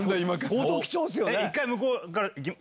相当貴重ですよね。